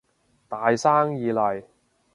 大生意嚟